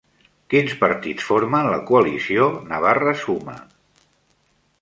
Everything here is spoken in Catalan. Quins partits formen la coalició Navarra Suma?